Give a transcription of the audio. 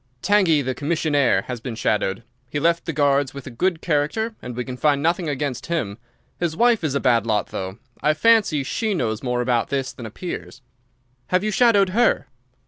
"Tangey, the commissionnaire, has been shadowed. He left the Guards with a good character and we can find nothing against him. His wife is a bad lot, though. I fancy she knows more about this than appears." "Have you shadowed her?"